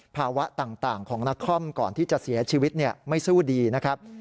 ภาวะต่างของนครก่อนที่จะเสียชีวิตไม่สู้ดีนะครับ